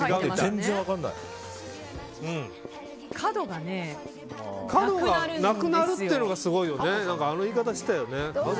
角がなくなるってのがすごいよね。